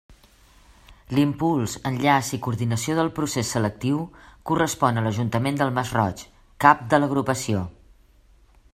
L'impuls, enllaç i coordinació del procés selectiu correspon a l'Ajuntament del Masroig, cap de l'Agrupació.